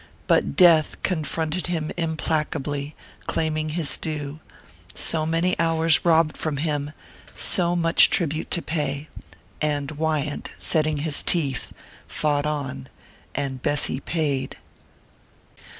But death confronted him implacably, claiming his due: so many hours robbed from him, so much tribute to pay; and Wyant, setting his teeth, fought on and Bessy paid.